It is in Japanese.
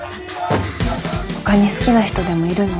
ほかに好きな人でもいるの？